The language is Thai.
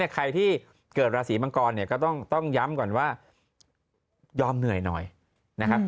ใครที่เกิดราศีมังกรเนี่ยก็ต้องย้ำก่อนว่ายอมเหนื่อยหน่อยนะครับ